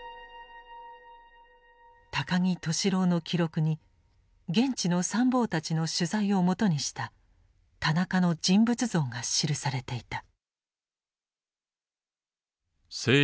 高木俊朗の記録に現地の参謀たちの取材を基にした田中の人物像が記されていた。